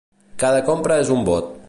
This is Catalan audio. Cada compra és un vot.